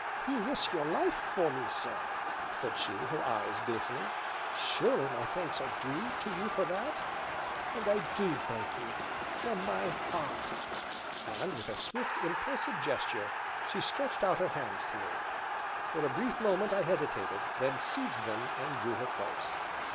"You risked your life for me, sir," said she, her eyes glistening, "surely my thanks are due to you for that? And I do thank you from my heart!" And with a swift, impulsive gesture, she stretched out her hands to me. For a brief moment I hesitated, then seized them, and, drew her close.